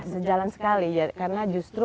sejalan sekali karena justru